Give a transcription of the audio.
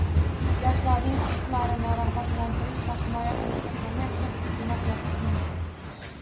Yoshlarning huquqlarini ragʻbatlantirish va himoya qilishga qanday qilib koʻmaklashish mumkin?